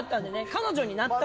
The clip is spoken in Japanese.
彼女になった。